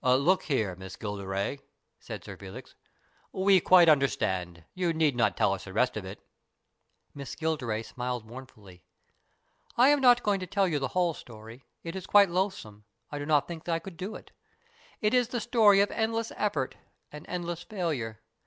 " Look here, Miss Gilderay," said Sir Felix, " we quite understand. You need not tell us the rest of it." Miss Gilderay smiled mournfully. " I am not going to tell you the whole story. It is quite loathsome. I do not think I could do it. It is the story of endless effort and endless failure.